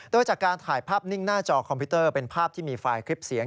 โดยจากการถ่ายภาพนิ่งหน้าจอคอมพิวเตอร์เป็นภาพที่มีไฟล์คลิปเสียง